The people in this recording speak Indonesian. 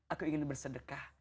aku ingin bersedekah